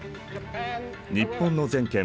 日本の全権